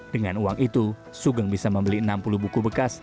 dengan uang itu sugeng bisa membeli enam puluh buku bekas